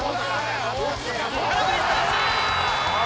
空振り三振！